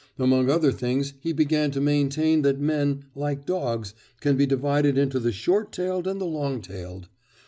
Among other things he began to maintain that men, like dogs, can be divided into the short tailed and the long tailed.